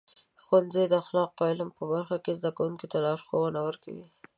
ښوونځي د اخلاقو او علم په برخه کې زده کوونکو ته لارښونه ورکوي.